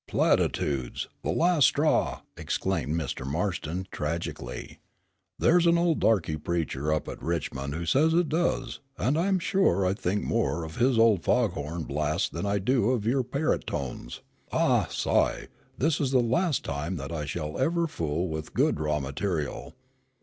"Platitudes the last straw!" exclaimed Mr. Marston tragically. "There's an old darky preacher up at Richmond who says it does, and I'm sure I think more of his old fog horn blasts than I do of your parrot tones. Ah! Si, this is the last time that I shall ever fool with good raw material.